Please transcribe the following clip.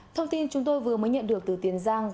thông tin chúng tôi vừa mới nhận được từ tiền giang